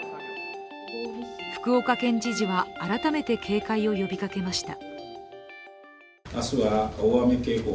福岡県知事は改めて警戒を呼びかけました。